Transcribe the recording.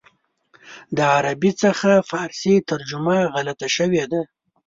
د عربي څخه فارسي ترجمه غلطه شوې ده.